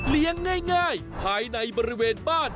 เลี้ยงง่ายภายในบริเวณบ้าน